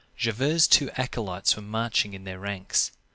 Javert's two acolytes were marching in their ranks.